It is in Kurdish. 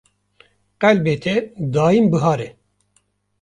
Qelbê te daîm bihar e